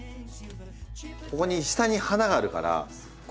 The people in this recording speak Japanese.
ここに下に花があるからこの花をね